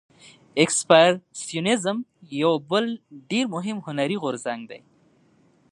اکسپرسیونیزم یو بل ډیر مهم هنري غورځنګ دی.